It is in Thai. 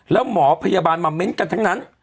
แล้วหมอพยาบาลมาเม้นต์กันทั้งนั้น